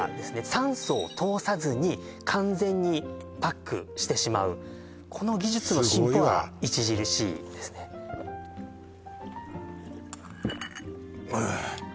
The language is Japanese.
酸素を通さずに完全にパックしてしまうこの技術の進歩は著しいですねああ